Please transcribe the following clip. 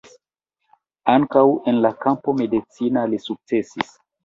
Ankaŭ en la kampo medicina li sukcesis.